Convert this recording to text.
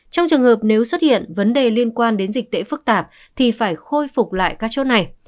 trong trường hợp nếu xuất hiện vấn đề liên quan đến dịch tễ phức tạp thì phải khôi phục lại các chốt này